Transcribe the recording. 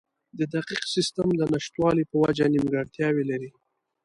د دقیق سیستم د نشتوالي په وجه نیمګړتیاوې لري.